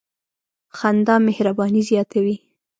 • خندا مهرباني زیاتوي.